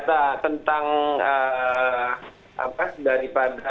karena kita kan tidak punya data